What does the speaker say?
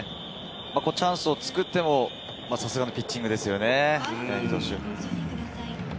チャンスを作っても、さすがのピッチングですよね。